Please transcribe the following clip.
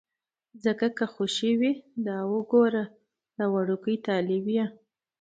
ځکه که خوشې وي، دا وګوره دا وړوکی طالب یې.